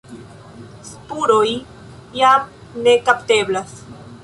Spuroj jam ne kapteblas.